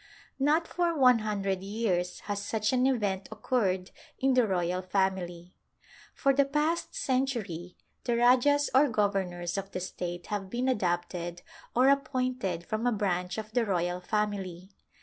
Not for one hundred years has such an event occurred in the royal family. For the past century the rajahs or governors of the state have been adopted or appointed from a branch of the roval family.